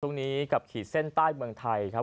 กับขีดเส้นใต้เมืองไทยครับ